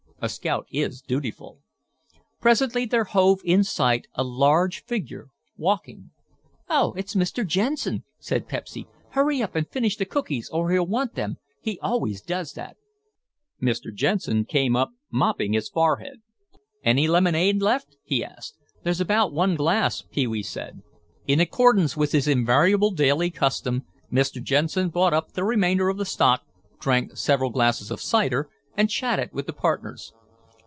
A scout is dutiful. Presently there hove in sight a large figure, walking. "Oh, it's Mr. Jensen," said Pepsy; "hurry up and finish the cookies or he'll want them; he always does that." Mr. Jensen came up mopping his forehead. "Any lemonade left?" he asked. "There's about one glass," Pee wee said. In accordance with his invariable daily custom, Mr. Jensen bought up the remainder of stock, drank several glasses of cider, and chatted with the partners.